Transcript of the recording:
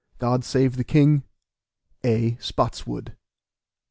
GOD SAVE THE KING. A. SPOTSWOOD.